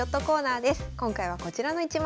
今回はこちらの１枚。